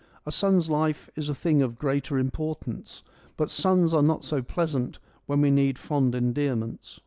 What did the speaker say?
A son's life is a thing of greater importance, but sons are not so pleasant when we need fond endearments.'